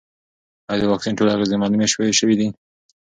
ایا د واکسین ټولې اغېزې معلومې شوې دي؟